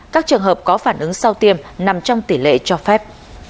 các trường hợp có phản ứng sau tiêm nằm trong tỷ lệ cho phép